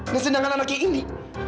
ngesenangan anaknya indi